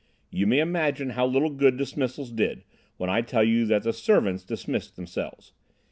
You may imagine how little good dismissals did, when I tell you that the servants dismissed themselves.